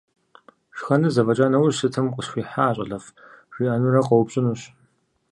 Шхэныр зэфӀэкӀа нэужь, сытым укъысхуихьа, щӀалэфӀ, жиӀэнурэ къоупщӀынущ.